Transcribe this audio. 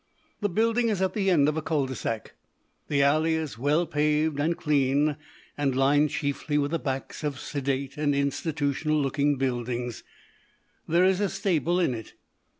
The building is at the end of a cul de sac. The alley is well paved and clean, and lined chiefly with the backs of sedate and institutional looking buildings. There is a stable in it.